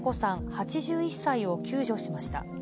８１歳を救助しました。